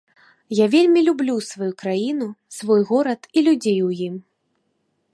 Я вельмі люблю сваю краіну, свой горад і людзей у ім.